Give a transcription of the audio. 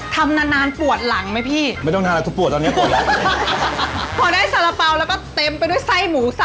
ค่ะป๊าบตอนใน